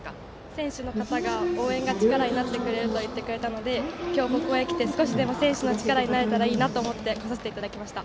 選手の方が、応援が力になると言ってくれていたので今日、ここへ来て少しでも選手の力になれたらいいなと思って来させていただきました。